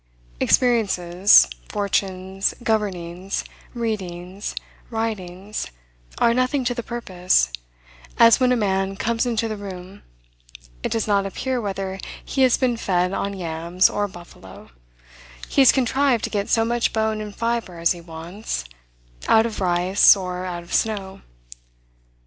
Experiences, fortunes, governings, readings, writings are nothing to the purpose; as when a man comes into the room, it does not appear whether he has been fed on yams or buffalo, he has contrived to get so much bone and fibre as he wants, out of rice or out of snow.